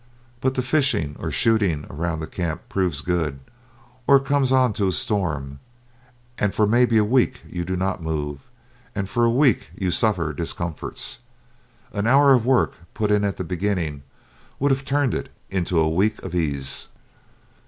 But the fishing or shooting around the camp proves good, or it comes on to storm, and for maybe a week you do not move, and for a week you suffer discomforts. An hour of work put in at the beginning would have turned it into a week of ease.